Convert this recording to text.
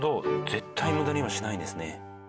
絶対無駄にはしないんですね。